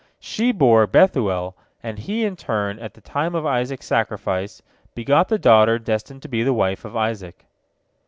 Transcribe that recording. She bore Bethuel, and he in turn, at the time of Isaac's sacrifice, begot the daughter destined to be the wife of Isaac.